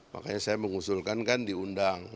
makanya saya mengusulkan kan diundang